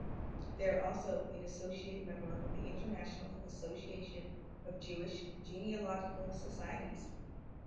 They are also an associate member of the International Association of Jewish Genealogical Societies.